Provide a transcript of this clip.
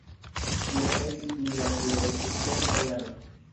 Tio estis lia plej sukcesa jaro.